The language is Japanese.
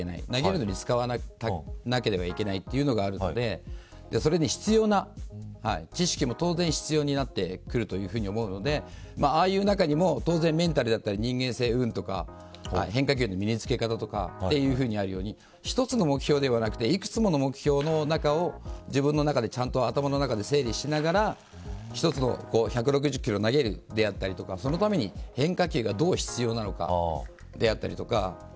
投げるのに使えなくてはいけないというのがあるのでそれで、必要な知識も当然必要になってくると思うのでああいう中にも当然メンタルだったり、人間性うんぬんとか変化球の身に付け方とかあるように１つの目標ではなくて幾つもの目標の中を自分の頭の中で整理しながら１６０キロを投げるだったりとかそのために変化球がどう必要なのかであったりとか。